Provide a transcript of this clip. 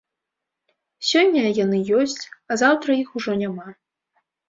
Сёння яны ёсць, а заўтра іх ужо няма.